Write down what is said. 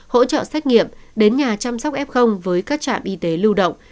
hỗ trợ xét nghiệm đến nhà chăm sóc f với các trạm y tế lưu động